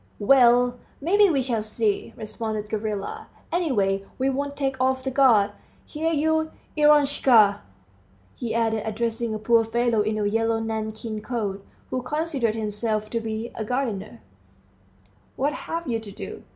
"Well, may be, we shall see," responded Gavrila; "any way, we won't take off the guard. Here you, Eroshka!" he added, addressing a poor fellow in a yellow nankeen coat, who considered himself to be a gardener, "what have you to do?